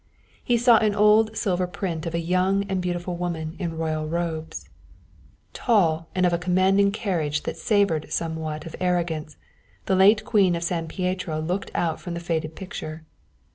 He saw an old silver print of a young and beautiful woman in royal robes. Tall, and of a commanding carriage that savoured somewhat of arrogance, the late Queen of San Pietro looked out from the faded picture.